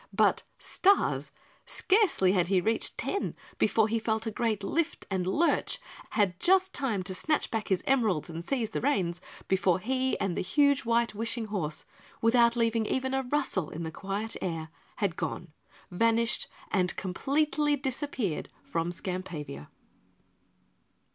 But, stars! Scarcely had he reached ten before he felt a great lift and lurch, had just time to snatch back his emeralds and seize the reins before he and the huge white wishing horse, without leaving even a rustle in the quiet air, had gone, vanished and completely disappeared from Skampavia.